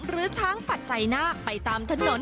ช้างปัจจัยนาคไปตามถนน